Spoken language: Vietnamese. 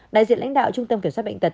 đại diện lãnh đạo trung tâm kiểm soát bệnh tật